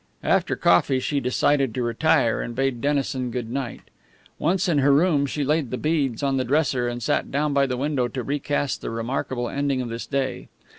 After coffee she decided to retire, and bade Dennison good night. Once in her room she laid the beads on the dresser and sat down by the window to recast the remarkable ending of this day.